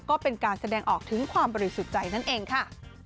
ก็เป็นการแสดงออกถึงความบริสุทธิ์ใจนั่นเองค่ะ